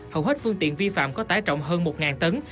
hầu hết phương tiện vi phạm có tải trọng hơn một tấn